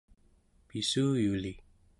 pissuyuli